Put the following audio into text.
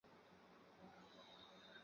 但这些译本都未获版权许可。